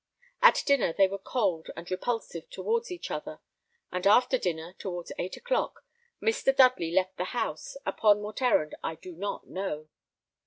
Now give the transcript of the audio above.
At dinner they were cold and repulsive towards each other; and after dinner, towards eight o'clock, Mr. Dudley left the house, upon what errand I do not know.